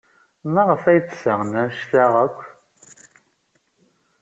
Maɣef ay d-sɣan anect-a akk?